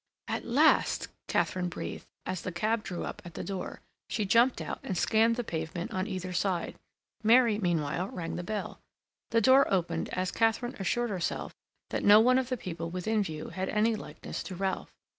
"At last," Katharine breathed, as the cab drew up at the door. She jumped out and scanned the pavement on either side. Mary, meanwhile, rang the bell. The door opened as Katharine assured herself that no one of the people within view had any likeness to Ralph.